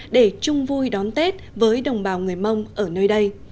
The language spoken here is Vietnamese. để chung vui đón tết với đồng bào người mông ở nơi đây